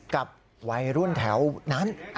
กับวัยรุ่นแถวนั้น